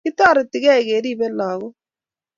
Kitoretigei keripei lakok